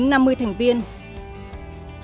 hai về doanh nghiệp siêu nhỏ